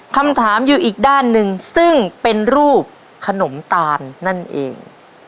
คำถามอยู่อีกด้านหนึ่งซึ่งเป็นรูปขนมตาลนั่นเอง